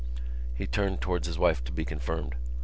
He turned towards his wife to be confirmed.